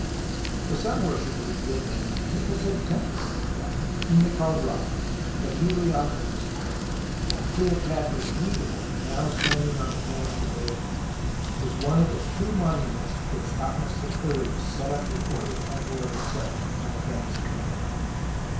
The sun worshippers built a magnificent temple to their god, whom they called Ra, at Heliopolis, and Cleopatra's Needle, now standing on the Thames Embankment, is one of the two monuments which Thothmes iii set up before the Temple of the Sun on the banks of the Nile.